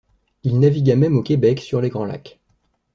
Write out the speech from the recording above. Il navigua même au Québec sur les Grands Lacs.